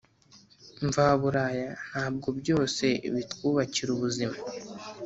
mvaburaya ntabwo byose bitwubakira ubuzima.